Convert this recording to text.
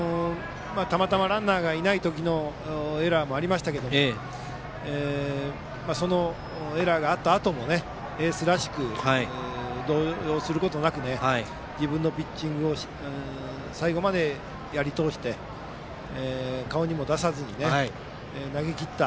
たまたまランナーがいないときのエラーもありましたけどそのエラーがあったあともエースらしく動揺することなく自分のピッチングを最後までやり通して顔にも出さずに投げ切った。